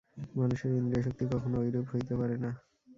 মানুষের ইন্দ্রিয়শক্তি কখনও ঐরূপ হইতে পারে না।